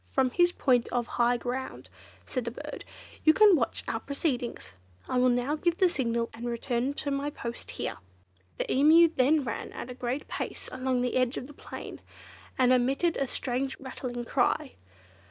"From his point of high ground," said the bird, "you can watch our proceedings. I will now give the signal and return to my post here." The Emu then ran at a great pace along the edge of the plain, and emitted a strange rattling cry.